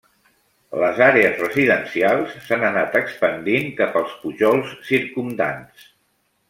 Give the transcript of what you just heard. Les àrees residencials s'han anat expandint cap als pujols circumdants.